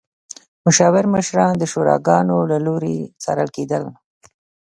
مشاور مشران د شوراګانو له لوري څارل کېدل.